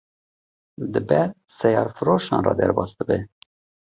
di ber seyarfiroşan re derbas dibe